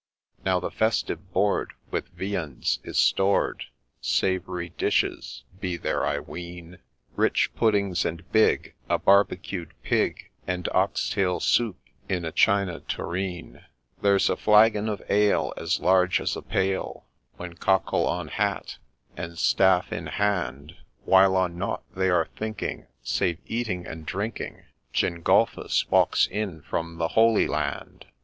Now the festive board with viands is stored, Savoury dishes be there, I ween, Rich puddings and big, a barbecued pig, And ox tail soup in a China tureen. A LAY OF ST. GENGDLPHUS U5 There 's a flagon of ale as large as a pail — When, cockle on hat, and staff in hand, While on nought they are thinking save eating and drinking, Gengulphus walks in from the Holy Land